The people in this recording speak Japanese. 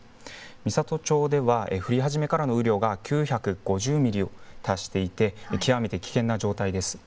美郷町では降り始めからの雨量が９５０ミリに達していて極めて危険な状態です。